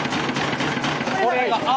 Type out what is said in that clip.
これがあ！